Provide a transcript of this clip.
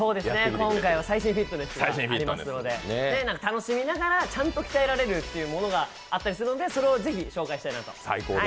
今回は最新フィットネスがありますので楽しみながらちゃんと鍛えられるものがあったりするのでそれをぜひ、紹介したいなと。